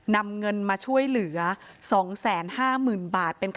นำเงินมาช่วยเหลือ๒๕๐๐๐บาท